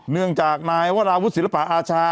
เนื่องจากนายวราวุฒิศิลปะอาชา